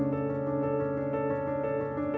hijabnya berjaya tapi ke